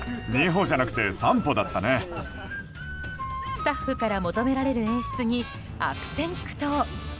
スタッフから求められる演出に悪戦苦闘。